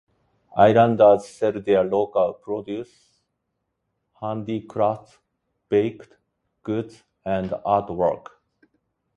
Islanders sell their local produce, handicrafts, baked goods, and art work.